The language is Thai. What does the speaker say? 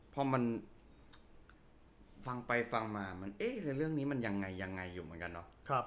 พอมันฟังไปฟังมาเรื่องนี้มันยังไงอยู่เหมือนกันเนอะ